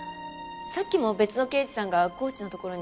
さっきも別の刑事さんがコーチのところに。